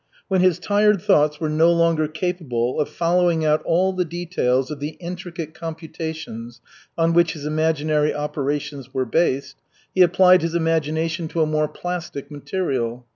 When his tired thoughts were no longer capable of following out all the details of the intricate computations on which his imaginary operations were based, he applied his imagination to a more plastic material.